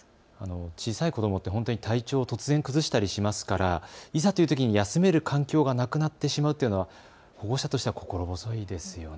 小さい子どもって体調を突然崩したりしますからいざというときに休める環境がなくなってしまうというのは保護者としては心細いですよね。